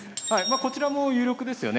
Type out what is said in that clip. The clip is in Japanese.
こちらも有力ですよね。